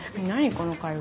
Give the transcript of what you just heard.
この会話。